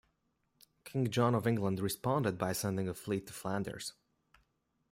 King John of England responded by sending a fleet to Flanders.